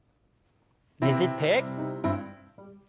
ねじって。